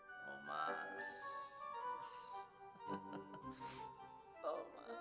aku udah nyilin tanpa kayak gimana